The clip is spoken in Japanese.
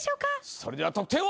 それでは得点を。